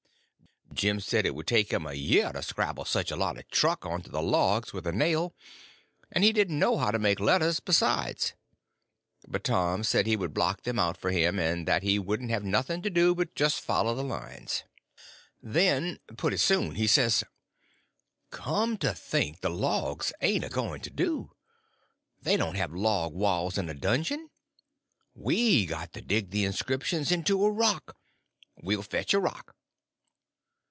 Jim said it would take him a year to scrabble such a lot of truck on to the logs with a nail, and he didn't know how to make letters, besides; but Tom said he would block them out for him, and then he wouldn't have nothing to do but just follow the lines. Then pretty soon he says: "Come to think, the logs ain't a going to do; they don't have log walls in a dungeon: we got to dig the inscriptions into a rock. We'll fetch a rock."